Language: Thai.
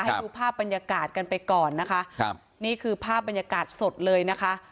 ให้ดูภาพบรรยากาศกันไปก่อนนะคะครับนี่คือภาพบรรยากาศสดเลยนะคะ